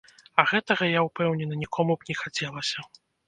А гэтага, я ўпэўнены, нікому б не хацелася.